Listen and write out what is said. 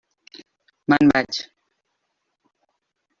Me'n vaig.